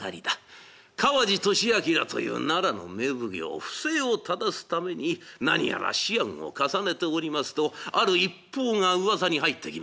川路聖謨という奈良の名奉行不正をただすために何やら思案を重ねておりますとある一報がうわさに入ってきました。